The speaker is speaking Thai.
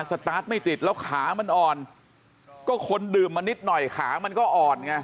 สตาร์ทไม่ติดแล้วขามันอ่อนก็คนดื่มมานิดหน่อยขามันก็อ่อนไง